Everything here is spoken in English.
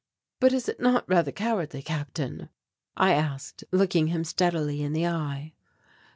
"But is it not rather cowardly, Captain?" I asked, looking him steadily in the eye.